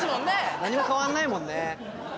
何も変わんないもんね。